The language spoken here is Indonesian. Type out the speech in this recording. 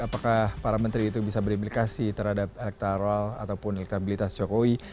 apakah para menteri itu bisa berimplikasi terhadap elektoral ataupun elektabilitas jokowi